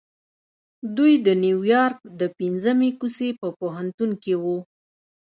دوی د نيويارک د پنځمې کوڅې په پوهنتون کې وو.